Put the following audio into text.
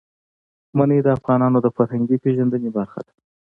منی د افغانانو د فرهنګي پیژندنې برخه ده.